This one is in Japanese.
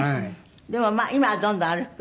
でもまあ今はどんどん歩く？